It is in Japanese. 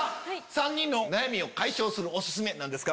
３人の悩みを解消するお薦め何ですか？